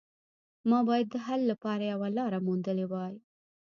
ما باید د حل لپاره یوه لاره موندلې وای